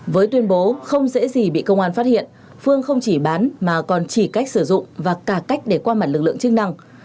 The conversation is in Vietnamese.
với tuyên bố không dễ gì bị công an phát hiện phương không chỉ bán mà còn chỉ cách sử dụng và cả cách để qua mặt lực lượng chức năng